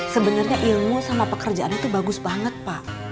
sebenarnya ilmu sama pekerjaan itu bagus banget pak